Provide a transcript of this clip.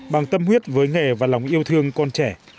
bằng tâm huyết với nghề và lòng yêu thương con trẻ